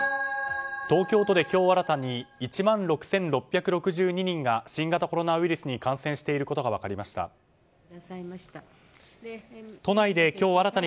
東京都で今日新たに１万６６６２人が新型コロナウイルスに感染していることが分かりました。